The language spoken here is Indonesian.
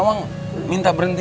saya masih tidak mengerti